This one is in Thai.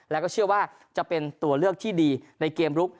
แล้วก็เชื่อว่าจะเป็นตัวเลือกที่ดีในเกมลุก